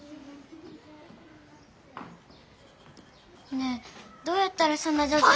ねえどうやったらそんなじょうずに。